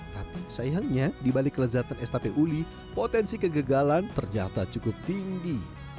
tapi sayangnya dibalik kelezatan es tape uli potensi kegagalan terjata cukup tinggi